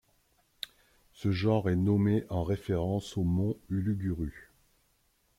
Ce genre est nommé en référence aux monts Uluguru.